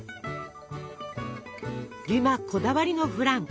デュマこだわりのフラン。